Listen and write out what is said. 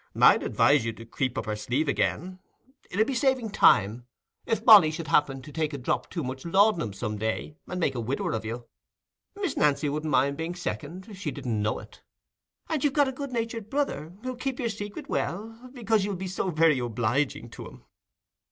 I'd advise you to creep up her sleeve again: it 'ud be saving time, if Molly should happen to take a drop too much laudanum some day, and make a widower of you. Miss Nancy wouldn't mind being a second, if she didn't know it. And you've got a good natured brother, who'll keep your secret well, because you'll be so very obliging to him."